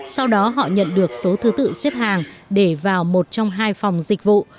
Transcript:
sau đó họ nhận được số thứ tự xếp hàng để vào một trong hai phòng dịch vụ